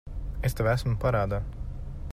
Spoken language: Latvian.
Es tev esmu parādā.